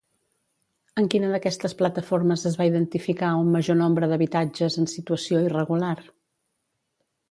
En quina d'aquestes plataformes es va identificar un major nombre d'habitatges en situació irregular?